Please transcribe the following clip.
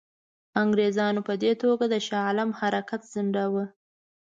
انګرېزانو په دې توګه د شاه عالم حرکت ځنډاوه.